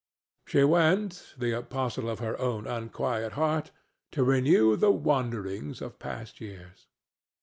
She went, the apostle of her own unquiet heart, to renew the wanderings of past years.